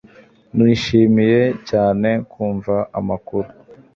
Nishimiye cyane kumva amakuru